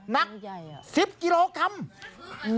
หนัก๑๐กิโลกรัม